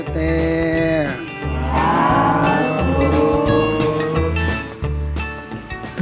ห้าวันตุเต